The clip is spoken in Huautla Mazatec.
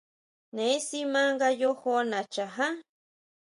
Neé si ma nga yojoná nchajá.